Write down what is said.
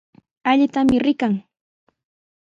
Allitami rikan.